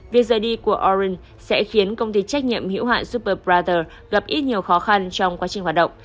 việc rời đi của orange sẽ khiến công ty trách nhiệm hữu hạn superbrother gặp ít nhiều khó khăn trong quá trình hoạt động